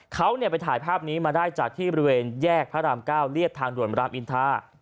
เขาไปถ่ายภาพนี้มาได้จากที่บริเวณแยกพระราม๙เรียบทางด่วนรามอินทา